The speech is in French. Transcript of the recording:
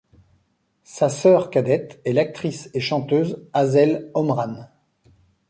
Sa sœur cadette est l'actrice et chanteuse Aseel Omran.